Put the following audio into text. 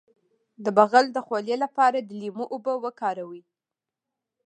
د بغل د خولې لپاره د لیمو اوبه وکاروئ